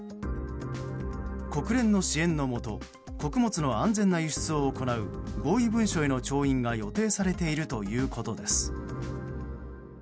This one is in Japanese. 国連の支援のもと穀物の安全な輸出を行う合意文書への調印が予定されているということです。